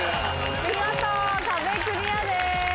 見事壁クリアです。